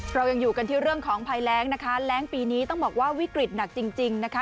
เรายังอยู่กันที่เรื่องของภัยแรงนะคะแรงปีนี้ต้องบอกว่าวิกฤตหนักจริงจริงนะคะ